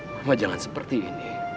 mama jangan seperti ini